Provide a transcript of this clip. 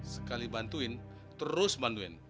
sekali bantuin terus bantuin